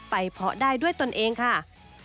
เพาะได้ด้วยตนเองค่ะ